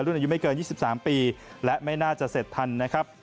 รุ่นอายุไม่เกิน๒๓ปีและไม่น่าจะเสร็จทันนะครับ